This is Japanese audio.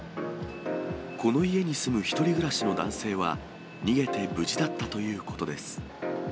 この家に住む１人暮らしの男性は、逃げて無事だったということです。